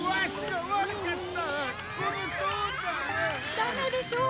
ダメでしょ！